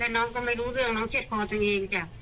น้องก็ไม่รู้เรื่องน้องเช็ดคอตัวเองจ้ะ